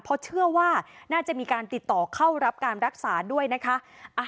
เพราะเชื่อว่าน่าจะมีการติดต่อเข้ารับการรักษาด้วยนะคะ